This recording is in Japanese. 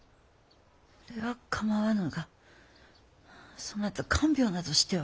それは構わぬがそなた看病などしては。